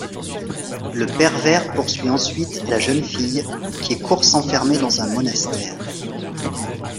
Le Pervers poursuit ensuite la jeune fille, qui court s'enfermer dans un monastère.